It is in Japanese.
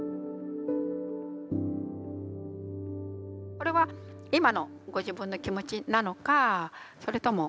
これは今のご自分の気持ちなのかそれとも。